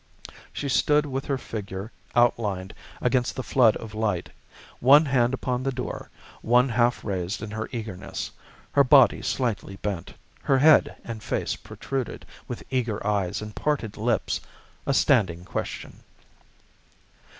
She stood with her figure outlined against the flood of light, one hand upon the door, one half raised in her eagerness, her body slightly bent, her head and face protruded, with eager eyes and parted lips, a standing question.